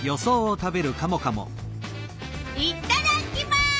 いっただっきます！